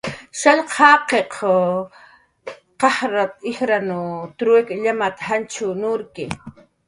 "Antin waran jakkiriq q'aj ijrnaw truik llam janchit"" nurki"